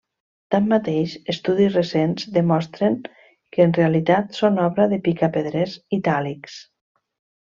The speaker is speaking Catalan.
Tanmateix, estudis recents demostren que en realitat són obra de picapedrers itàlics.